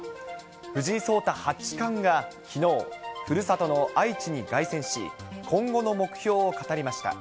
藤井聡太八冠がきのう、ふるさとの愛知に凱旋し、今後の目標を語りました。